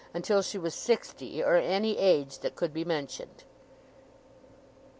until she was sixty, or any age that could be mentioned.